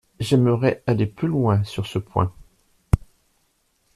J’aimerais aller plus loin sur ce point.